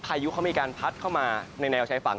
ยุเขามีการพัดเข้ามาในแนวชายฝั่ง